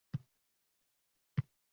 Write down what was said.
virusining odamlar ongida o‘rnashishi